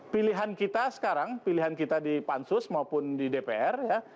pilihan kita sekarang pilihan kita di pansus maupun di dpr ya